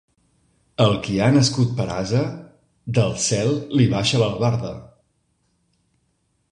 Al qui ha nascut per ase, del cel li baixa l'albarda.